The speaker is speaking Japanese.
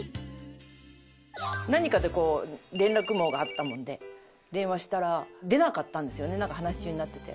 何かで連絡網があったもんで電話したら出なかったんですよねなんか話し中になってて。